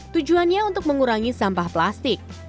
tujuannya untuk mengurangi sampah plastik